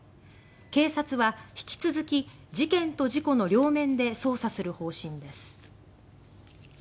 警察は引き続き事件と事故の両面で捜査する方針です。